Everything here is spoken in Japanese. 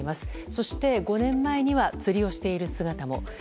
そして５年前には釣りをしている姿も。